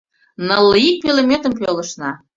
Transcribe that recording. Нылле ик пӧлеметым пӧлышна.